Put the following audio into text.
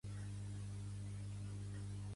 Un gnom minúscul aparegué de cop.